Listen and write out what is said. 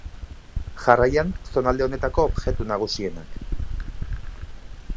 Jarraian, zonalde honetako objektu nagusienak.